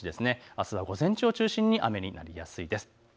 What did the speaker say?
あすは午前中を中心に雨になりやすいです。